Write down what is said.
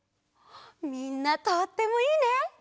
みんなとってもいいね。